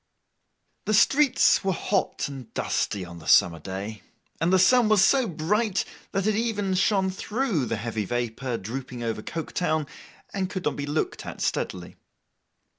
The streets were hot and dusty on the summer day, and the sun was so bright that it even shone through the heavy vapour drooping over Coketown, and could not be looked at steadily.